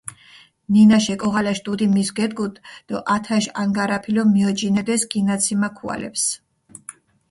ნინაშ ეკოღალაშ დუდი მის გედგუდჷ დო ათაშ ანგარაფილო მიოჯინედეს გინაციმა ქუალეფს.